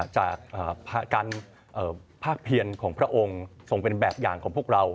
จากการภาคเพียรของพระองค์ทรงเป็นแบบอย่างของพวกเรา